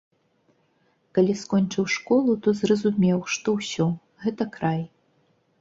Калі скончыў школу, то зразумеў, што ўсё, гэта край.